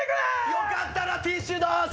よかったらティッシュどうぞ！